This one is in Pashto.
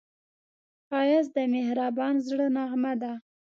ښایست د مهربان زړه نغمه ده